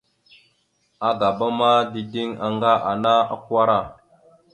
Agaba ma, dideŋ aŋga ana akwara.